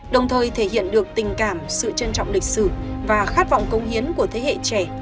đồng thời thể hiện được tình cảm sự trân trọng lịch sử và khát vọng cống hiến của thế hệ trẻ